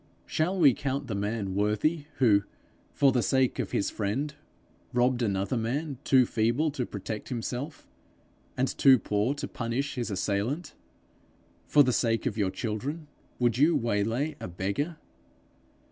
Shall we count the man worthy who, for the sake of his friend, robbed another man too feeble to protect himself, and too poor to punish his assailant? For the sake of your children, would you waylay a beggar?